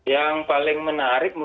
yang paling menarik